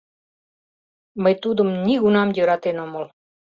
— Мый тудым нигунам йӧратен омыл...